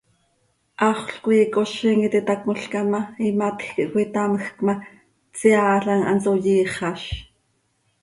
Haxöl coi icozim iti itácmolca ma, imatj quih cöitamjc ma, tseaalam hanso yiixaz.